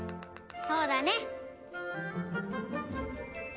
そうだね！